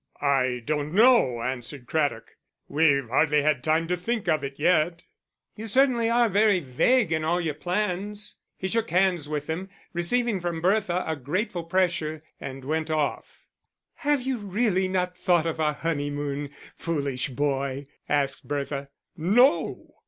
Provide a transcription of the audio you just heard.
"I don't know," answered Craddock. "We've hardly had time to think of it yet." "You certainly are very vague in all your plans." He shook hands with them, receiving from Bertha a grateful pressure, and went off. "Have you really not thought of our honeymoon, foolish boy?" asked Bertha. "No!"